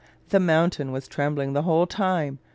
The mountain was trembling the whole time.